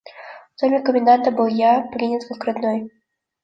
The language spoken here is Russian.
В доме коменданта был я принят как родной.